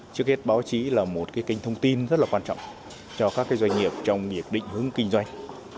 trước hết báo chí là một kênh thông tin rất là quan trọng cho các doanh nghiệp trong việc định hướng kinh doanh